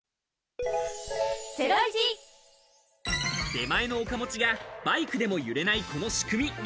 手前の岡持ちがバイクでも揺れないこの仕組み。